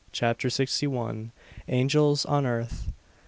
CHAPTER SIXTY ONE. ANGELS ON EARTH.